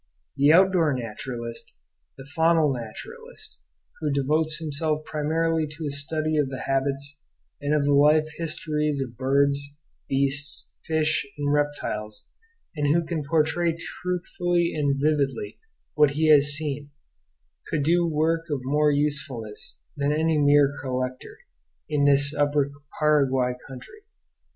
The outdoor naturalist, the faunal naturalist, who devotes himself primarily to a study of the habits and of the life histories of birds, beasts, fish, and reptiles, and who can portray truthfully and vividly what he has seen, could do work of more usefulness than any mere collector, in this upper Paraguay country.